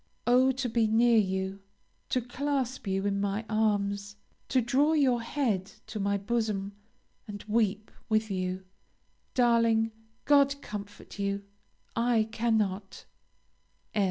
Oh, to be near you! to clasp you in my arms! to draw your head to my bosom, and weep with you! Darling, God comfort you, I cannot.